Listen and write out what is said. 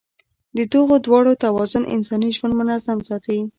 د دغو دواړو توازن انساني ژوند منظم ساتي.